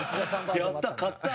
やった、勝った！